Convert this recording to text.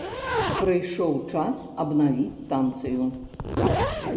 Прыйшоў час абнавіць станцыю.